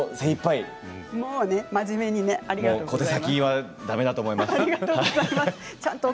真面目に小手先はだめだと思います。